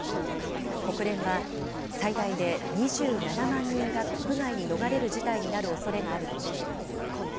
国連は最大で２７万人が国外に逃れる事態になるおそれがあるとしています。